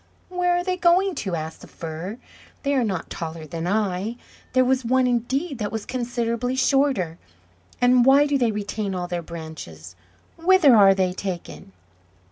"Where are they going to?" asked the Fir. "They are not taller than I; there was one indeed that was considerably shorter; and why do they retain all their branches? Whither are they taken?"